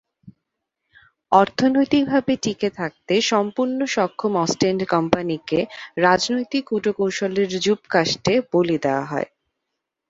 অর্থনৈতিকভাবে টিকে থাকতে সম্পূর্ণ সক্ষম অস্টেন্ড কোম্পানিকে রাজনৈতিক কূটকৌশলের যুপকাষ্ঠে বলি দেওয়া হয়।